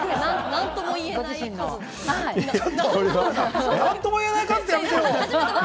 何とも言えない数って！